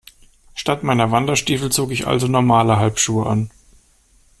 Statt meiner Wanderstiefel zog ich also normale Halbschuhe an.